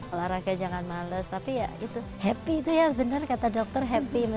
olahraga jangan males tapi ya itu happy itu ya benar kata dokter happy